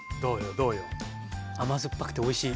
甘酸っぱくておいしい。